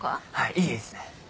いいですね。